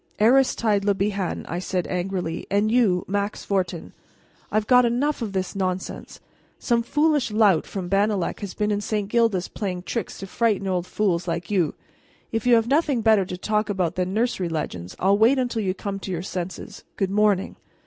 '" "Aristide Le Bihan," I said angrily, "and you, Max Fortin, I've got enough of this nonsense! Some foolish lout from Bannalec has been in St. Gildas playing tricks to frighten old fools like you. If you have nothing better to talk about than nursery legends I'll wait until you come to your senses. Good morning."